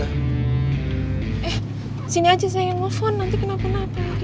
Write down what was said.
eh sini aja saya ingin nelfon nanti kenapa kenapa lagi